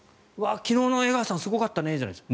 昨日の江川さんすごかったねじゃないです。